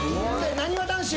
なにわ男子